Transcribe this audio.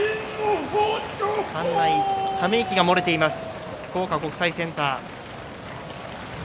館内、ため息が漏れています福岡国際センター。